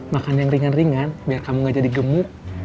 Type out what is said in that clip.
makan yang ringan ringan biar kamu gak jadi gemuk